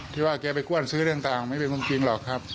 ที่ว่าแกไปกว้นซื้อเรื่องต่างไม่เป็นความจริงหรอกครับ